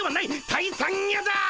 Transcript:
「退散や」だ！